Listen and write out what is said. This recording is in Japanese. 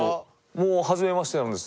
もうはじめましてなんです。